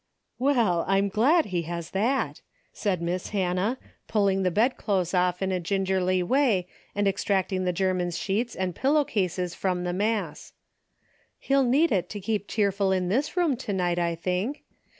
"Well, I'm glad he has that," said Miss Hannah, pulling the bedclothes off in a ging erly way and extracting the German's sheets and pillow cases from the mass. " He'll need it to keep cheerful in this room to night, I. think.